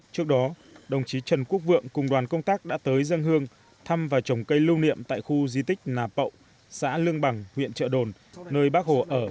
trước đó đồng chí trần quốc vượng cùng đoàn công tác đã tới dân hương thăm và trồng cây lưu niệm tại khu di tích nà pậu xã lương bằng huyện chợ đồn nơi bác hồ ở và làm việc vào đầu năm một nghìn chín trăm năm mươi một